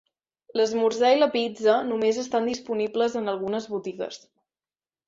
L'esmorzar i la pizza només estan disponibles en algunes botigues.